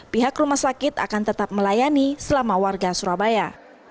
pihak rumah sakit akan tetap melayani selama warga surabaya